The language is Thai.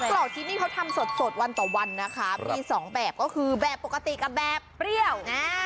กรอกที่นี่เขาทำสดวันต่อวันนะคะมีสองแบบก็คือแบบปกติกับแบบเปรี้ยว